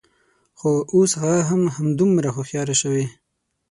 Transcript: خو، اوس هغه هم همدومره هوښیاره شوې